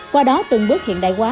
qua đó từng bước hiện đại hóa